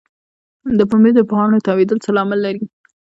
د پنبې د پاڼو تاویدل څه لامل لري؟